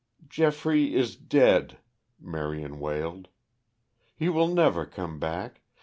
"Geoffrey is dead," Marion wailed. "He will never come back.